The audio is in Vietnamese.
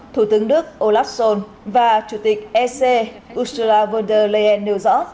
thủ tướng đức olaf schol và chủ tịch ec ursula von der leyen nêu rõ